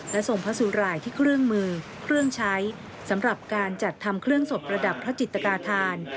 และทรงพระสุรายที่เครื่องมือเครื่องใช้สำหรับการจัดทำเครื่องสดประดับพระจิตกาธาน